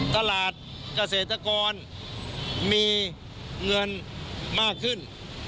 ตลาดเกษตรกรมีเงินมากขึ้น